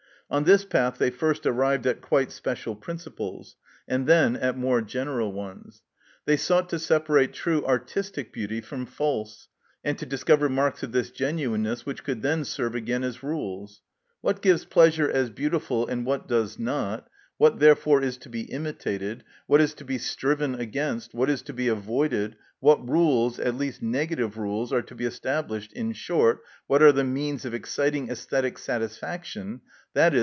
On this path they first arrived at quite special principles, and then at more general ones. They sought to separate true artistic beauty from false, and to discover marks of this genuineness, which could then serve again as rules. What gives pleasure as beautiful and what does not, what therefore is to be imitated, what is to be striven against, what is to be avoided, what rules, at least negative rules, are to be established, in short, what are the means of exciting æsthetic satisfaction, _i.e.